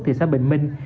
thị xã bình minh